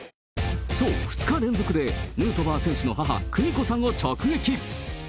そう、２日連続でヌートバー選手の母、久美子さんを直撃。